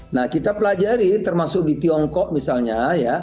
nah kita pelajari termasuk di tiongkok misalnya ya